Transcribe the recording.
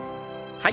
はい。